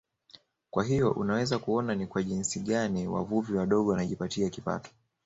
Kwa hiyo unaweza kuona ni kwa jinsi gani wavuvi wadogo wanajipatia kipato